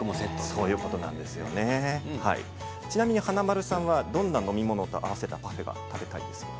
ちなみに華丸さんはどんな飲み物と合わせたパフェが食べたいですか？